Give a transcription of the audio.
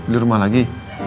di rumah lagi